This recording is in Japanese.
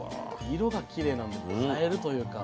色がきれいなんで映えるというか。